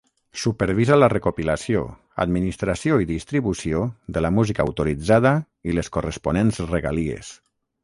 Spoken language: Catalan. Supervisa la recopilació, administració i distribució de la música autoritzada i les corresponents regalies.